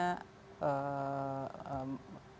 kalau misalnya cara cara pengambilan dan pengambilan